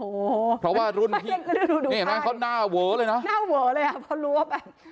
โหเพราะว่ารุ่นนี่เหมือนเขาหน้าเวอเลยนะหน้าเวอเลยอ่ะเพราะรู้ว่าแบบ